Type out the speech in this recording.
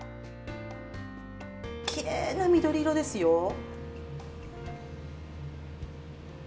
きれいな緑色ですよ。